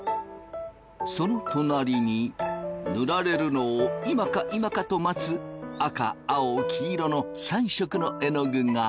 その隣に塗られるのを今か今かと待つ赤青黄色の３色のえのぐがいた。